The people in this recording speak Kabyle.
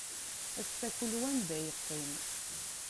Ass-a kul wa anda yeqqim.